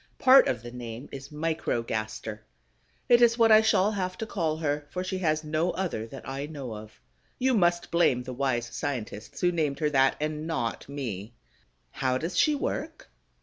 Part of the name is Microgaster. It is what I shall have to call her, for she has no other that I know of. You must blame the wise scientists who named her that, and not me. How does she work?